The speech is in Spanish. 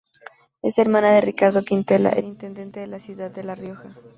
Es hermana de Ricardo Quintela, el intendente de la Ciudad de la Rioja.